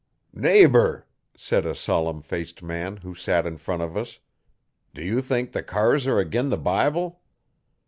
'Neighbour,' said a solemn faced man, who sat in front of us, 'do you think the cars are ag'in the Bible?